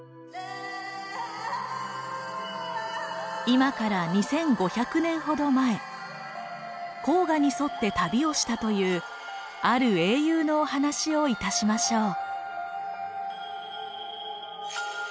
今から２，５００年ほど前黄河に沿って旅をしたというある英雄のお話をいたしましょう。